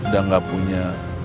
dan tidak punya